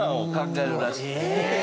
え！